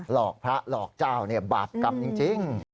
หลอกพระหลอกเจ้าบาปกรรมจริง